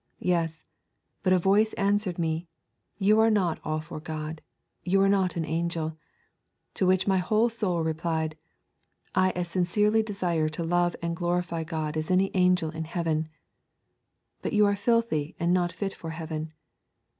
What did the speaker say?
Yes; but a voice answered me, You are not all for God, you are not an angel. To which my whole soul replied, I as sincerely desire to love and glorify God as any angel in heaven. But you are filthy, and not fit for heaven.